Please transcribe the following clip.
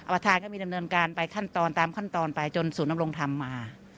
ประธานก็มีดำเนินการไปขั้นตอนตามขั้นตอนไปจนสู่นักลงทำมา